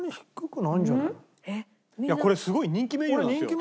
いやこれすごい人気メニューなんですよ